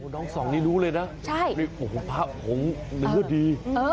น้องสองนี้รู้เลยนะพระของเหนือดี